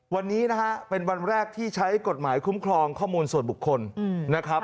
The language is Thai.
วันนี้นะฮะเป็นวันแรกที่ใช้กฎหมายคุ้มครองข้อมูลส่วนบุคคลนะครับ